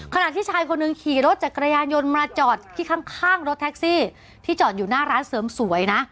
ขณะที่ชายคนหนึ่งขี่รถจักรยานยนต์มาจอดที่ข้างรถแท็กซี่ที่จอดอยู่หน้าร้านเสริมสวยนะ